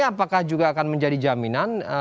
apakah juga akan menjadi jaminan